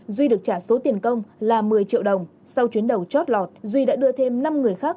duy được trả số tiền công là một mươi triệu đồng sau chuyến đầu chót lọt duy đã đưa thêm năm người khác